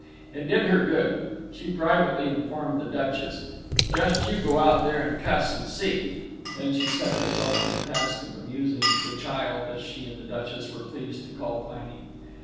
It did her good, she privately informed the Duchess. "Just you go out there and cuss, and see." She then set herself to the task of amusing "the child," as she and the Duchess were pleased to call Piney.